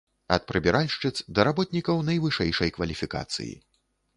Ад прыбіральшчыц да работнікаў найвышэйшай кваліфікацыі.